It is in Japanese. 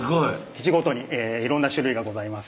基地ごとにいろんな種類がございます。